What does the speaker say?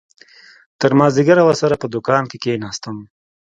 تر مازديگره ورسره په دوکان کښې کښېناستم.